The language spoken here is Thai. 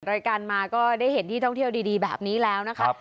รายการมาก็ได้เห็นที่ท่องเที่ยวดีแบบนี้แล้วนะคะ